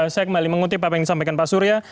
saya kembali mengutip apa yang disampaikan pak surya